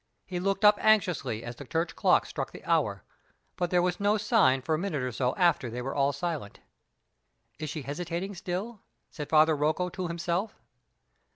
He looked up anxiously as the church clocks struck the hour; but there was no sign for a minute or so after they were all silent. "Is she hesitating still?" said Father Rocco to himself.